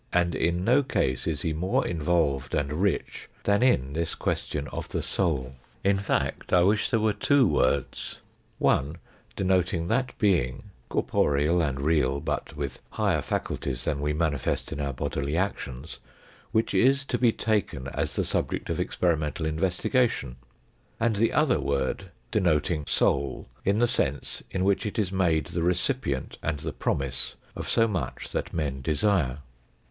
And in no case is he 254 THE FOURTH DIMENSION more involved and rich than in this question of the soul. In fact, I wish there were two words, one denoting that being, corporeal and real, but with higher faculties than we manifest in our bodily actions, which is to be taken as the subject of experimental investigation ; and the other word denoting " soul " in the sense in which it is made the recipient and the promise of so much that men desire.